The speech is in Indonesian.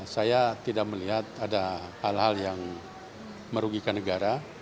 saya tidak melihat ada hal hal yang merugikan negara